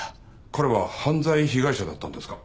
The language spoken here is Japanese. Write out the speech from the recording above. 彼は犯罪被害者だったんですか？